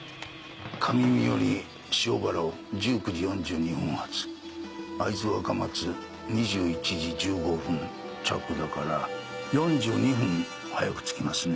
上三依塩原を１９時４２分発会津若松２１時１５分着だから４２分早く着きますね。